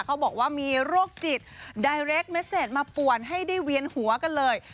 เขาบอกว่ามีโรคจิตไดเรคเมสเซจมาป่วนให้ได้เวียนหัวกันเลย